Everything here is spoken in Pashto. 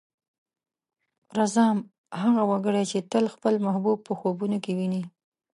رځام: هغه وګړی چې تل خپل محبوب په خوبونو کې ويني.